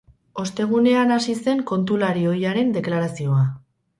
Ostegunean hasi zen kontulari ohiaren deklarazioa.